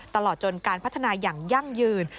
ตลอดจนการพัฒนาอย่างยั่งยืน